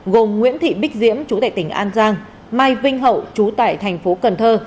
gồm nguyễn thị bích diễm chú tệ tỉnh an giang mai vinh hậu chú tại thành phố cần thơ